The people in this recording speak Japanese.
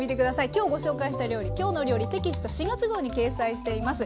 今日ご紹介した料理「きょうの料理」テキスト４月号に掲載しています。